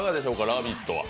「ラヴィット！」は。